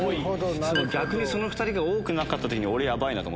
逆にその２人が多くなかった時俺ヤバいなと。